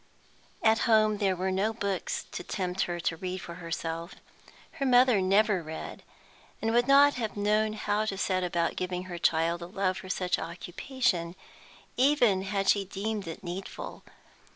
At home there were no books to tempt her to read for herself; her mother never read, and would not have known how to set about giving her child a love for such occupation, even had she deemed it needful.